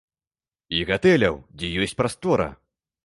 І гатэляў, дзе ёсць прастора.